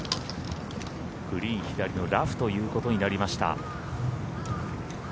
グリーン左のラフということになりました。